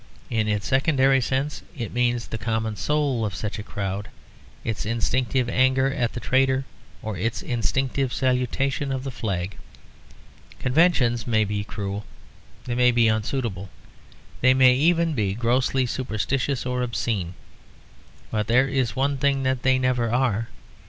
In its secondary sense it means the common soul of such a crowd, its instinctive anger at the traitor or its instinctive salutation of the flag. Conventions may be cruel, they may be unsuitable, they may even be grossly superstitious or obscene; but there is one thing that they never are.